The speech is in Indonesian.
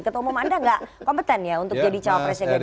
ketua umum anda gak kompeten ya untuk jadi cowok presiden ganjar